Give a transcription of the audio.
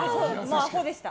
もう、アホでした。